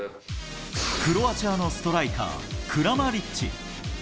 クロアチアのストライカー、クラマリッチ。